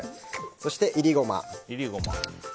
そして、いりゴマ。